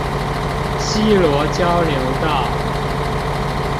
西螺交流道